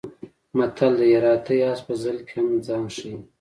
متل دی: هراتی اس په ځل کې هم ځان ښي.